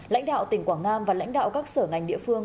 lãnh đạo tỉnh quảng nam và lãnh đạo các sở ngành địa phương